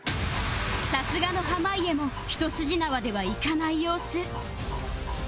さすがの濱家も一筋縄ではいかない様子